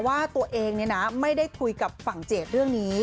ว่าตัวเองไม่ได้คุยกับฝั่งเจดเรื่องนี้